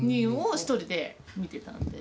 １人で見てたんです。